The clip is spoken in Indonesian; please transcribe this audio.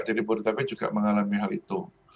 jadi jabodebek juga mengalami hal itu